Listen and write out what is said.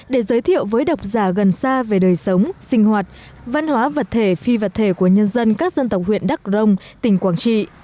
để giới thiệu với độc giả gần xa về đời sống sinh hoạt văn hóa vật thể phi vật thể của nhân dân các dân tộc huyện đắk rông tỉnh quảng trị